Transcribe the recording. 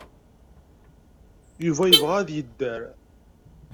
Yuba yebɣa ad yedder.